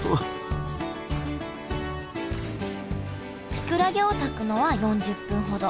きくらげを炊くのは４０分ほど。